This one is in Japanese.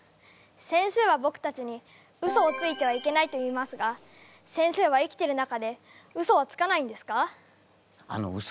先生はぼくたちにウソをついてはいけないと言いますが先生は生きてる中でウソはつかないんですか？